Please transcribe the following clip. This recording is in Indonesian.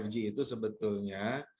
lima g itu sebetulnya